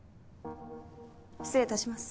失礼いたします。